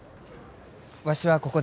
わしはここで。